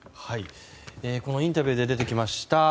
このインタビューで出てきました